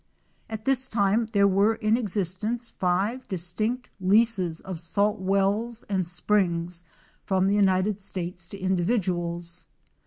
At this time there were in existence five distinct leases of salt wells and springs from the United States to individuals.